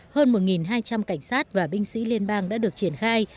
hơn một hai trăm linh cảnh sát và binh sĩ liên bang đã được triển khai